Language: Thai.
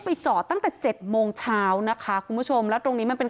ไปจอดตั้งแต่เจ็ดโมงเช้านะคะคุณผู้ชมแล้วตรงนี้มันเป็น